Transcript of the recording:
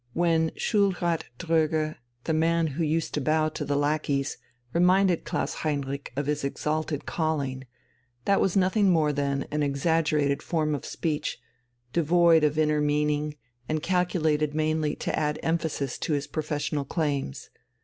When Schulrat Dröge, the man who used to bow to the lackeys, reminded Klaus Heinrich of his "exalted calling," that was nothing more than an exaggerated form of speech, devoid of inner meaning and calculated mainly to add emphasis to his professional claims.